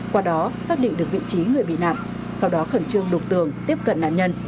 qua đó xác định được vị trí người bị nạn sau đó khẩn trương đục tường tiếp cận nạn nhân